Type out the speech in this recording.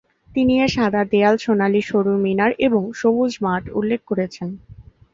তিনি এর "সাদা দেয়াল, সোনালী সরু মিনার এবং সবুজ মাঠ" উল্লেখ করেছেন।